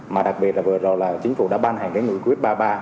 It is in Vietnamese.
mà đặc biệt là vừa rồi là chính phủ đã ban hàng cái ngụy quyết ba mươi ba